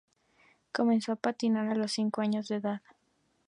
Comenzó a patinar a los cinco años de edad.